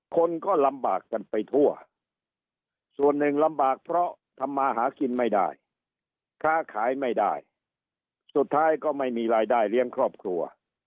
คนก็ลำบากกันไปทั่วส่วนหนึ่งลำบากเพราะทำมาหากินไม่ได้ค้าขายไม่ได้สุดท้ายก็ไม่มีรายได้เลี้ยงครอบครัว